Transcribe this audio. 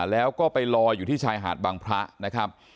แล้วก็ไปลอยอยู่ที่ชายหาดบางพระนะครับ